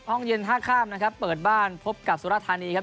ห้องเย็นท่าข้ามนะครับเปิดบ้านพบกับสุรธานีครับ